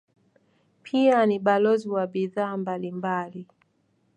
Pia ni balozi wa bidhaa mbalimbali.